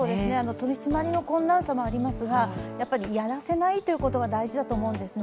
取り締まりの困難さもありますが、やっぱりやらせないことが大事だと思うんですね。